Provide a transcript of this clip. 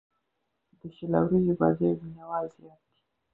د شل اووريزو بازيو مینه وال زیات دي.